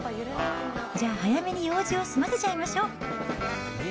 じゃあ早めに用事を済ませちゃいましょ。